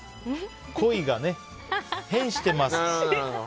「恋」がね、「変」してます。